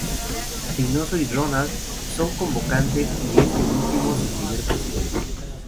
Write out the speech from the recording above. Reinoso y Roldan son los convocantes y este último su primer presidente.